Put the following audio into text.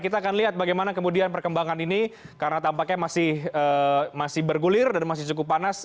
kita akan lihat bagaimana kemudian perkembangan ini karena tampaknya masih bergulir dan masih cukup panas